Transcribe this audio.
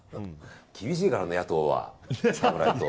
厳しいからね、野党は。